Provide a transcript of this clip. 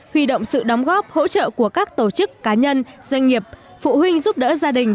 huy động sự đóng góp hỗ trợ của các tổ chức cá nhân doanh nghiệp phụ huynh giúp đỡ gia đình